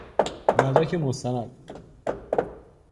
مدرک مستند